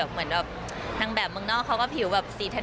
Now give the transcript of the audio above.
เหมือนแบบนางแบบเมืองนอกเขาก็ผิวแบบสีเทา